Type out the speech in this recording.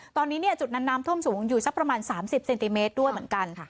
ตอนนี้จุดนั้นน้ำท่วมสูงอยู่สักประมาณ๓๐เซนติเมตรด้วยเหมือนกัน